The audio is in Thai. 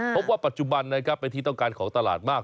พบว่าปัจจุบันนะครับเป็นที่ต้องการของตลาดมาก